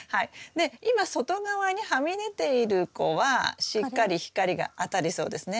今外側にはみ出ている子はしっかり光が当たりそうですね。